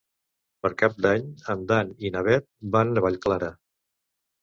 Per Cap d'Any en Dan i na Bet van a Vallclara.